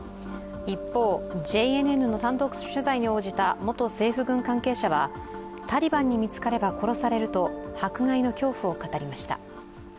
一方、ＪＮＮの単独取材に応じた元政府軍関係者はタリバンに見つかれば殺されると迫害の恐怖を語りました。